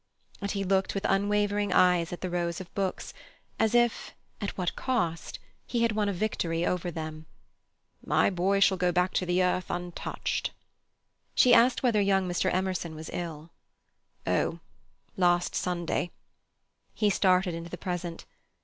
And he looked with unwavering eyes at the rows of books, as if—at what cost!—he had won a victory over them. "My boy shall go back to the earth untouched." She asked whether young Mr. Emerson was ill. "Oh—last Sunday." He started into the present.